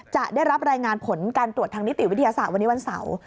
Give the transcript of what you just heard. จะได้รับรายงานผลการตรวจทางนิติวิทยาศาสตร์วันนี้วันเสาร์